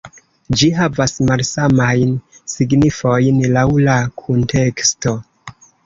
Ĝi havas malsamajn signifojn laŭ la kunteksto.